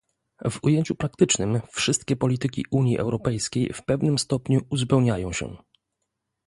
W ujęciu praktycznym, wszystkie polityki Unii Europejskiej w pewnym stopniu uzupełniają się